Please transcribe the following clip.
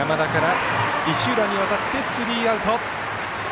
山田から石浦に渡ってスリーアウト。